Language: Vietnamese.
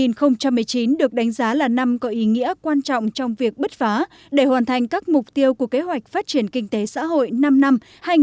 năm hai nghìn một mươi chín được đánh giá là năm có ý nghĩa quan trọng trong việc bứt phá để hoàn thành các mục tiêu của kế hoạch phát triển kinh tế xã hội năm năm hai nghìn một mươi sáu hai nghìn hai mươi